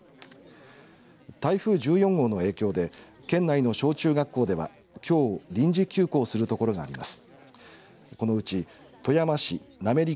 台風１４号の影響で県内の小中学校ではきょう、臨時休校する所があります。